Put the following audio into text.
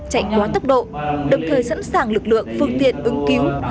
chạy quá tốc độ đồng thời sẵn sàng lực lượng phương tiện ứng cứu